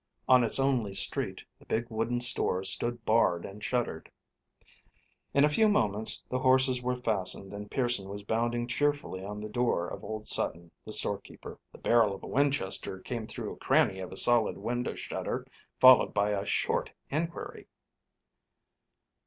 On its only street the big wooden store stood barred and shuttered. In a few moments the horses were fastened and Pearson was pounding cheerfully on the door of old Sutton, the storekeeper. The barrel of a Winchester came through a cranny of a solid window shutter followed by a short inquiry.